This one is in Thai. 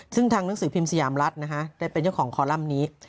ซึ่งทางหนังสือพิมพ์สยามรัฐนะฮะได้เป็นเจ้าของคอลัมป์นี้